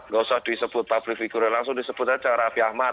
nggak usah disebut public figure langsung disebut aja raffi ahmad